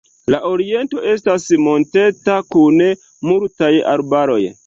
La oriento estas monteta kun multaj arbaroj.